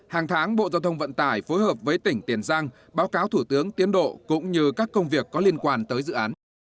hàng tháng bộ giao thông vận tải phối hợp với tỉnh tiền giang báo cáo thủ tướng tiến độ cũng như các công việc có liên quan tới dự án